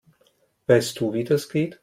Weißt du, wie das geht?